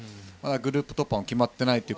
グループ突破もまだ決まっていないと。